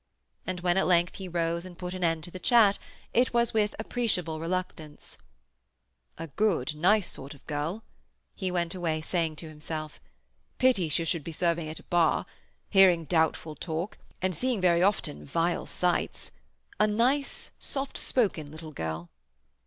And when at length he rose and put an end to the chat it was with appreciable reluctance. "A good, nice sort of girl," he went away saying to himself. "Pity she should be serving at a bar—hearing doubtful talk, and seeing very often vile sights. A nice, soft spoken little girl."